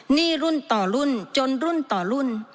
หนี้รุ่นต่อรุ่นจนรุ่นต่อรุ่น